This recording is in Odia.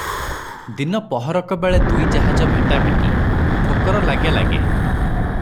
ଦିନ ପହରକବେଳେ ଦୁଇ ଜାହାଜ ଭେଟାଭେଟି, ଠୋକର ଲାଗେ ଲାଗେ ।"